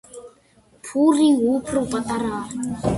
ფური უფრო პატარაა.